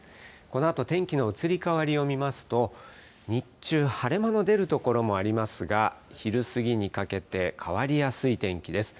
このあと天気の移り変わりを見ますと、日中、晴れ間の出る所もありますが、昼過ぎにかけて、変わりやすい天気です。